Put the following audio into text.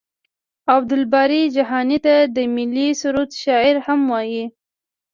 عبدالباري جهاني ته د ملي سرود شاعر هم وايي.